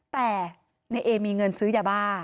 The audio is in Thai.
แต่ในเอมีเงินซื้อยาบ้า